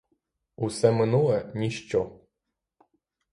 Усе минуле — ніщо.